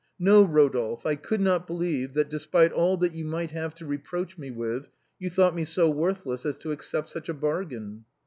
No, Rodolphe, I could not believe that, despite all that you might have to reproach me with, you thought me so worthless as to accept such a bargain."